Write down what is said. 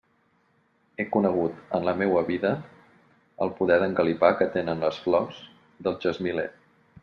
He conegut en la meua vida el poder d'engalipar que tenen les flors del gesmiler.